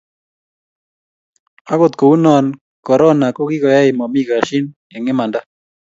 agot ko uno korona kokikoai mami kashin eng imanda